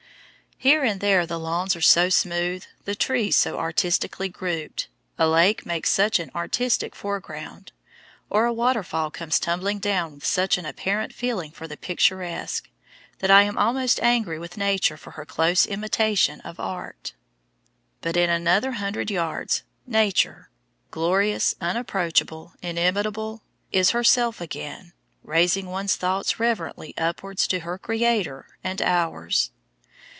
Here and there the lawns are so smooth, the trees so artistically grouped, a lake makes such an artistic foreground, or a waterfall comes tumbling down with such an apparent feeling for the picturesque, that I am almost angry with Nature for her close imitation of art. But in another hundred yards Nature, glorious, unapproachable, inimitable, is herself again, raising one's thoughts reverently upwards to her Creator and ours.